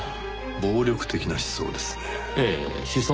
暴力的な思想ですね。